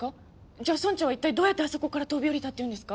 じゃあ村長は一体どうやってあそこから飛び降りたっていうんですか？